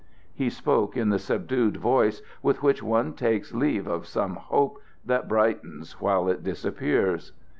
He spoke in the subdued voice with which one takes leave of some hope that brightens while it disappears.